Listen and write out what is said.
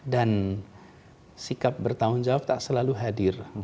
dan sikap bertanggung jawab tak selalu hadir